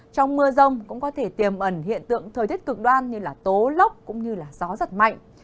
trong mưa rông cũng có thể tiềm ẩn hiện tượng thời tiết cực đoan như tố lốc cũng như gió giật mạnh